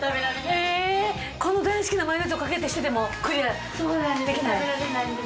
えこの大好きなマヨネーズをかけてしてでも食えない？